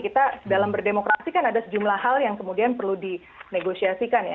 kita dalam berdemokrasi kan ada sejumlah hal yang kemudian perlu dinegosiasikan ya